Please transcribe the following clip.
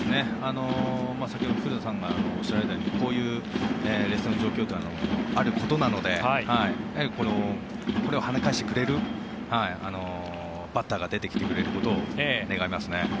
先ほど古田さんがおっしゃられたようにこういう劣勢の状況というのはあることなのでこれを跳ね返してくれるバッターが出てきてくれることを願いますね。